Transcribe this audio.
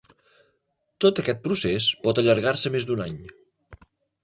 Tot aquest procés pot allargar-se més d’un any.